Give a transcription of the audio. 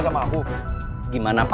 udah ngeri ngeri aja